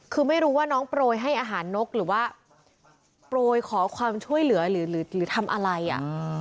คือไม่รู้ว่าน้องโปรยให้อาหารนกหรือว่าโปรยขอความช่วยเหลือหรือทำอะไรอ่ะ